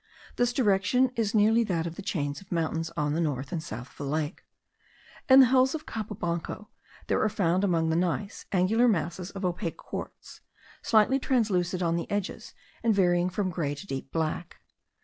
This direction is nearly that of the chains of mountains on the north and south of the lake. In the hills of Cabo Blanco there are found among the gneiss, angular masses of opaque quartz, slightly translucid on the edges, and varying from grey to deep black.